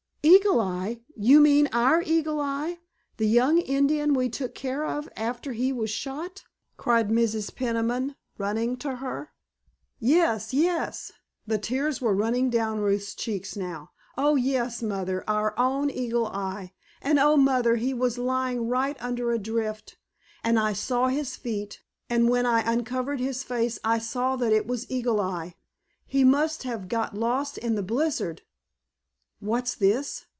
"Eagle Eye? You mean our Eagle Eye? The young Indian we took care of after he was shot?" cried Mrs. Peniman, running to her. "Yes, yes," the tears were running down Ruth's cheeks now; "oh, yes, Mother, our own Eagle Eye; and oh, Mother, he was lying right under a drift, and I saw his feet, and when I uncovered his face I saw that it was Eagle Eye. He must have got lost in the blizzard——" "What's this?